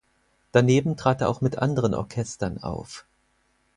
Daneben trat er auch mit anderen Orchestern auf.